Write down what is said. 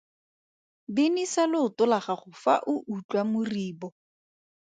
Binisa leoto la gago fa o utlwa moribo.